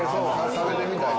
食べてみたい。